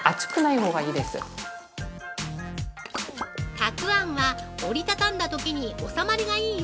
◆たくあんは、折りたたんだ時に収まりがいいよ